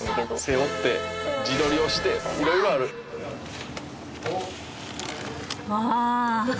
「背負って自撮りをして色々ある」ああ。